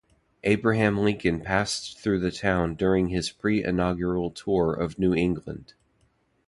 Abraham Lincoln passed through the town during his pre-inaugural tour of New England.